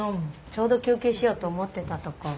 ちょうど休憩しようと思ってたとこ。